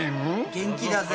元気だぜ。